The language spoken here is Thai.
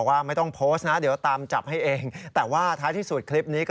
ด้านของนายสุกิตตันติสุวรรณา